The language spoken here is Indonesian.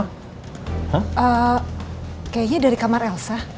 kayaknya dari kamar elsa